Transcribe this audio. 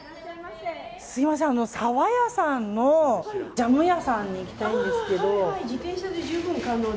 すみません沢屋さんのジャム屋さんに行きたいんですけど。